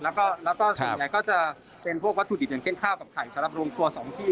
แล้วก็ส่วนใหญ่ก็จะเป็นพวกวัตถุดิบอย่างเช่นข้าวกับไข่สำหรับรวมตัว๒ที่